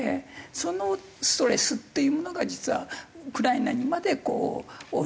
そのストレスっていうものが実はウクライナにまでこう及んでしまったと。